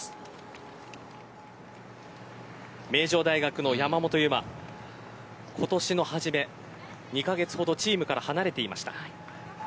名城大学の山本有真今年の初め２カ月ほどチームから離れていました。